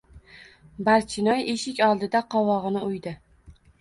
Barchinoy eshik oldi-da qovog‘ini uydi.